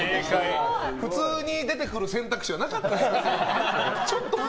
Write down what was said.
普通に出てくる選択肢はなかったんですか？